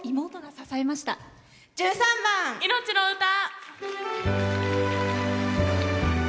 １３番「いのちの歌」。